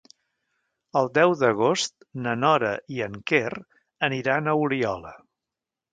El deu d'agost na Nora i en Quer aniran a Oliola.